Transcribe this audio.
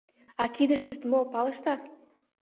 А кидыштышт мо, палышда?